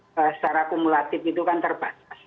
secara kumulatif itu kan terbatas